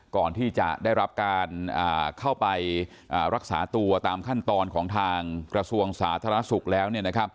ก่อนที่จะได้รับการเข้าไปรักษาตัวตามขั้นตอนของทางกระทรวงสาธารณสุขแล้ว